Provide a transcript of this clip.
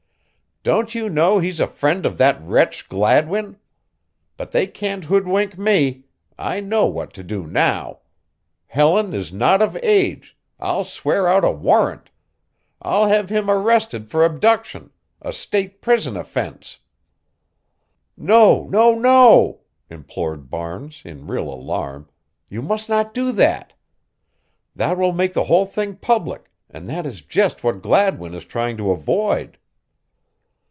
"Don't you know he's a friend of that wretch Gladwin? But they can't hoodwink me. I know what to do now! Helen is not of age I'll swear out a warrant I'll have him arrested for abduction, a State prison offense." "No, no, no," implored Barnes, in real alarm, "you must not do that. That will make the whole thing public, and that is just what Gladwin is trying to avoid."